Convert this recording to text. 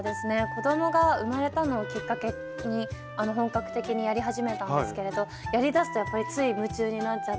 子供が生まれたのをきっかけに本格的にやり始めたんですけれどやりだすとやっぱりつい夢中になっちゃって。